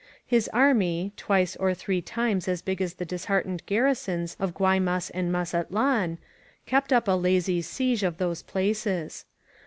His army, twice or three times as big as the disheartened garrisons of Guaymas and Mazatlan, kept up a lazy siege of those places.